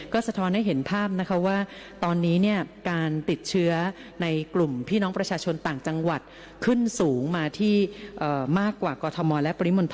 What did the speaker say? ก็สะท้อนให้เห็นภาพนะคะว่าตอนนี้การติดเชื้อในกลุ่มพี่น้องประชาชนต่างจังหวัดขึ้นสูงมาที่มากกว่ากรทมและปริมณฑล